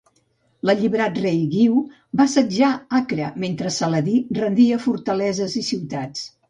L'alliberat rei Guiu va assetjar Acre, mentre Saladí rendia fortaleses i ciutats.